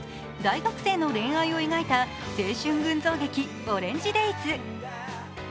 大学生の恋愛を描いた青春群像劇、「オレンジデイズ」。